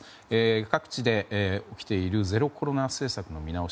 各地で起きているゼロコロナ政策の見直し。